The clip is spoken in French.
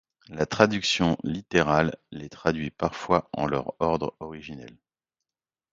La traduction littérale les traduit parfois en leur ordre originel.